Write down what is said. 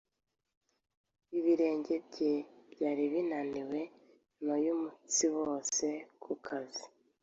Ibirenge bye byari binaniwe nyuma yumunsi wose ku kazi.